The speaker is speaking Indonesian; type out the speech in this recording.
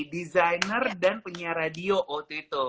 desainer dan penyiar radio waktu itu